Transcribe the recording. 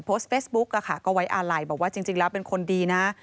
โพสต์เฟซบุ๊กก็ไว้อาลัยบอกว่าจริงแล้วเป็นคนดีนะ